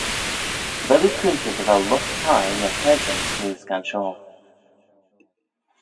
Vel oo coontey dy vel lught thie ny caarjyn smoo scanshoil?